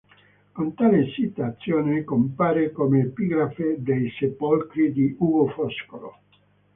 Con tale "citazione" compare come "epigrafe" dei "Sepolcri" di Ugo Foscolo.